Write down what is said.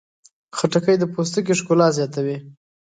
خټکی د پوستکي ښکلا زیاتوي.